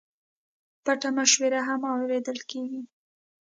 پټه مشوره هم اورېدل کېږي.